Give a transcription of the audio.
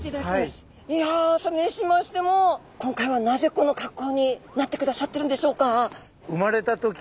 いやあそれにしましても今回はなぜこの格好になってくださってるんでしょうか？